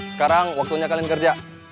sekarang waktunya kalian kerja